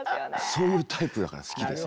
そういうタイプだから好きです。